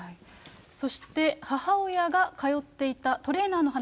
そして、母親が通っていたトレーナーの話。